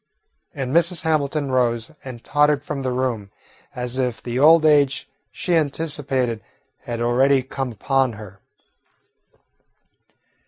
And Mrs. Hamilton rose and tottered from the room, as if the old age she anticipated had already come upon her.